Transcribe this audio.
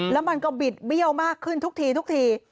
แล้วมันก็บิดเบี้ยวมากขึ้นทุกทีทุกที